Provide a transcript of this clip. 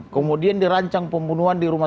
kemudian dirancang pembunuhan di rumah